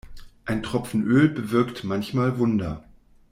Ein Tropfen Öl bewirkt manchmal Wunder.